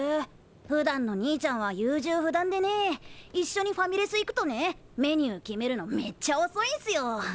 ふだんの兄ちゃんは優柔不断でねいっしょにファミレス行くとねメニュー決めるのめっちゃおそいんすよ。